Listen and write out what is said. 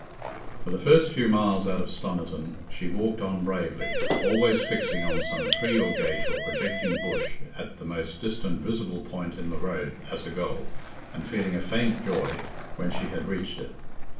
For the first few miles out of Stoniton, she walked on bravely, always fixing on some tree or gate or projecting bush at the most distant visible point in the road as a goal, and feeling a faint joy when she had reached it.